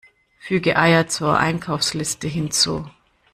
Füge Eier zur Einkaufsliste hinzu!